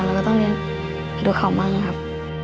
เราก็ต้องเลี้ยงดูเขาบ้างครับ